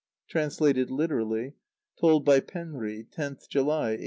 (Translated literally. Told by Penri, 10th July, 1886.)